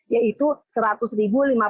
yaitu seratus ribu jemaah